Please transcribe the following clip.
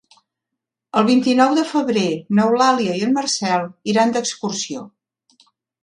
El vint-i-nou de febrer n'Eulàlia i en Marcel iran d'excursió.